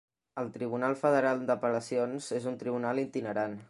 El Tribunal Federal d'Apel·lacions és un tribunal itinerant.